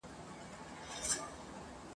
ها یوه ښځه په څومره ارمان ژاړي !.